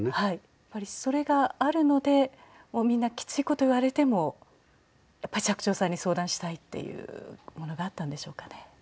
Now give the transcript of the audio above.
やっぱりそれがあるのでみんなきついこと言われてもやっぱ寂聴さんに相談したいっていうものがあったんでしょうかね。